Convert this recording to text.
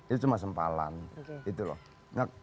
itu cuma sempalan